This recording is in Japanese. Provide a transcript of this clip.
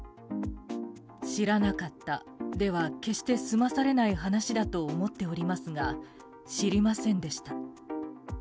知らなかったでは決して済まされない話だとは思いませんが知りませんでした。